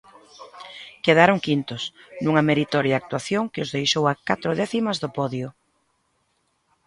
Quedaron quintos, nunha meritoria actuación que os deixou a catro décimas do podio.